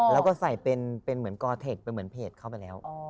แล้วก็ใส่เป็นเหมือนกอเทคเป็นเหมือนเพจเข้าไปแล้ว